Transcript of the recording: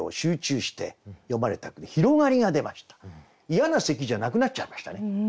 嫌な咳じゃなくなっちゃいましたね。